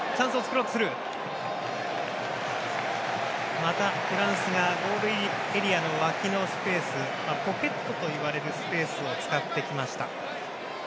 また、フランスがゴールエリアの脇のスペースポケットといわれるスペースを使ってきました。